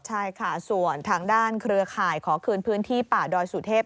ใช่ค่ะส่วนทางด้านเครือข่ายขอคืนพื้นที่ป่าดอยสุเทพ